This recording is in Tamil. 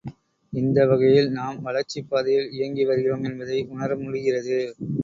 இந்த வகையில் நாம் வளர்ச்சிப் பாதையில் இயங்கி வருகிறோம் என்பதை உணரமுடிகிறது.